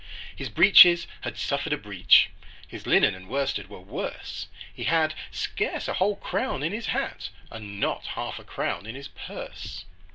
His breeches had suffered a breach, His linen and worsted were worse; He had scarce a whole crown in his hat, And not half a crown in his purse.